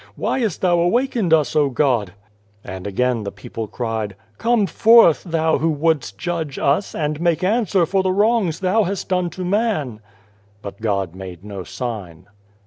Why hast Thou awakened us, O God ?" And again the people cried: "Come forth Thou who wouldst judge us, and make answer for the wrongs Thou hast done to man !" But God made no sign.